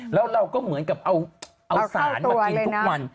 แล้วเราก็เหมือนกับเอาสารมากินทุกวัน